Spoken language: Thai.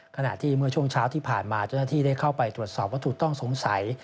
ขณะที่เมื่อช่วงเช้าที่ผ่านมาเจ้าหน้าที่ได้เข้าไปตรวจสอบวัตถุต้องสงสัย